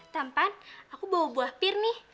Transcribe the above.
tampan aku bawa buah pir nih